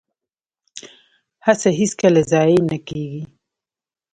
هڅه هیڅکله ضایع نه کیږي